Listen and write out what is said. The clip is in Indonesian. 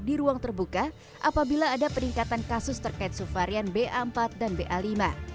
di ruang terbuka apabila ada peningkatan kasus terkait subvarian ba empat dan ba lima